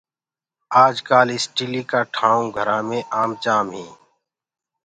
آج ڪآل اسٽيلي ڪآ ٺآئونٚ گھرآ مي آم جآم هينٚ۔